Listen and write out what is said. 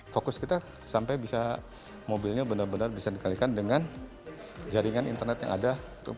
fokus kita sampai bisa mobilnya benar benar bisa dikalikan dengan jaringan internet yang ada